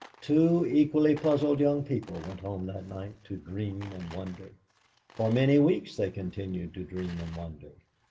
Two equally puzzled young people went home that night to dream and wonder. For many weeks they continued to dream and wonder.